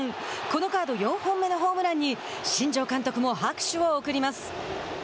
このカード４本目のホームランに新庄監督も拍手を送ります。